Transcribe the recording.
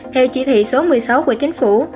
theo chỉ thị số một mươi sáu của chính phủ